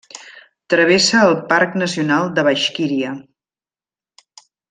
Travessa el parc nacional de Baixkíria.